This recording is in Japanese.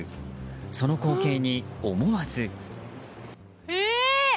その光景に思わず。